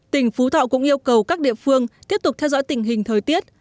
tỉnh phú thọ cũng yêu cầu các địa phương tiếp tục theo dõi tình hình thời tiết